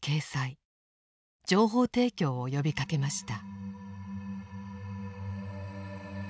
情報提供を呼びかけました。